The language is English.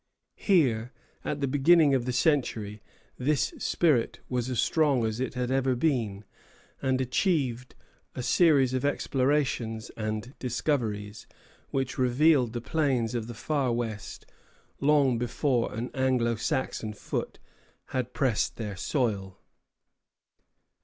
Here, at the beginning of the century, this spirit was as strong as it had ever been, and achieved a series of explorations and discoveries which revealed the plains of the Far West long before an Anglo Saxon foot had pressed their soil.